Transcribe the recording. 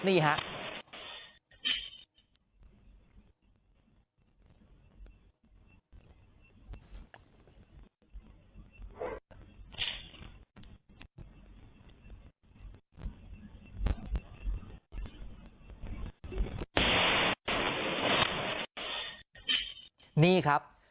นี่ครับ